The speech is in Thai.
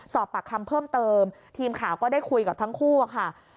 สอบปากคำเพิ่มเติมทีมข่าวก็ได้คุยกับทั้งคู่ค่ะ